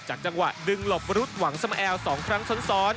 จังหวะดึงหลบรุษหวังสมแอล๒ครั้งซ้อน